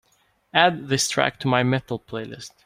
Add this track to my Metal playlist